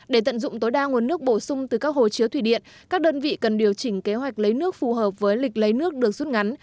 để tận dụng tối đa nguồn nước bổ sung từ các hồ chứa thủy điện các đơn vị cần điều chỉnh kế hoạch lấy nước phù hợp với lịch lấy nước được rút ngắn